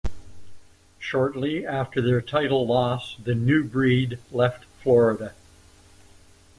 Shortly after their title loss the New Breed left Florida.